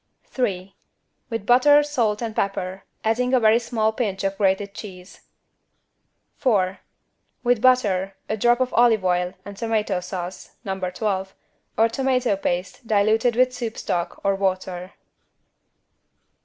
3. With butter salt and pepper, adding a very small pinch of grated cheese. 4. With butter, a drop of olive oil and tomato sauce (No. 12) or tomato paste diluted with soup stock or water.